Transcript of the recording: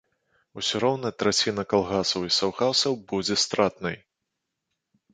Усё роўна траціна калгасаў і саўгасаў будзе стратнай.